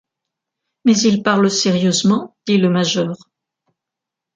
Mais il parle sérieusement, dit le major.